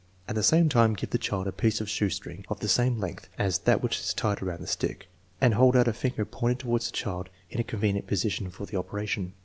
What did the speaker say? At the same time give the child a piece of shoestring, of the same length as that which is tied around the stick, and hold out a finger pointed toward the child and in convenient position for the operation.